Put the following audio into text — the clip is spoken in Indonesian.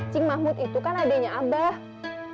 cing mahmud itu kan adanya abah